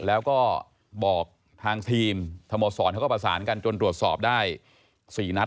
แล้วก็บอกทางทีมสโมสรเขาก็ประสานกันจนตรวจสอบได้๔นัด